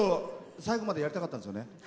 最後までやりたかったですよね。